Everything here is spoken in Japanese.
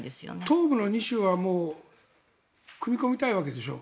東部の２州は組み込みたいわけでしょ。